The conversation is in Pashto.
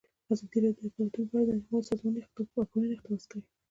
ازادي راډیو د اقلیتونه په اړه د نړیوالو سازمانونو راپورونه اقتباس کړي.